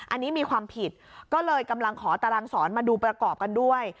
อันนี้มีความผิดก็เลยกำลังขอตารางสอนมาดูประกอบกันด้วย